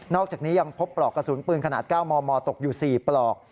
อกจากนี้ยังพบปลอกกระสุนปืนขนาด๙มมตกอยู่๔ปลอก